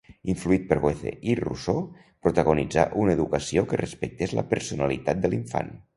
Influït per Goethe i Rousseau, preconitzà una educació que respectés la personalitat de l'infant.